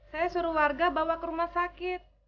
saya suruh warga bawa ke rumah sakit